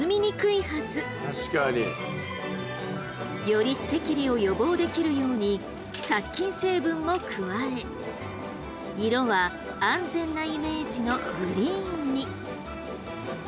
より赤痢を予防できるように殺菌成分も加え色は安全なイメージのグリーンに。